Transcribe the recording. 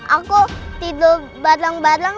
aku tidur bareng bareng